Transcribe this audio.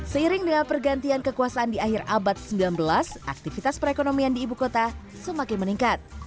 seiring dengan pergantian kekuasaan di akhir abad sembilan belas aktivitas perekonomian di ibu kota semakin meningkat